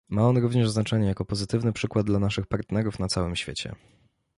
Ma on również znaczenie jako pozytywny przykład dla naszych partnerów na całym świecie